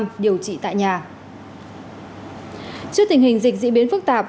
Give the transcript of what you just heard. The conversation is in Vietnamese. trước tình hình dịch dị biến phức tạp